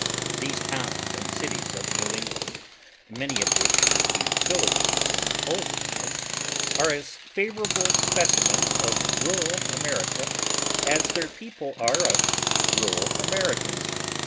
These towns and cities of New England (many of which would be villages in Old England), are as favourable specimens of rural America, as their people are of rural Americans.